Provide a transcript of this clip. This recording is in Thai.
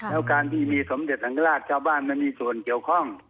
แล้วการที่มีสมเด็จสังราชชาวบ้านไม่มีส่วนเกี่ยวข้อง